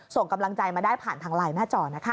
ส่งกำลังใจมาได้ผ่านทางไลน์หน้าจอนะคะ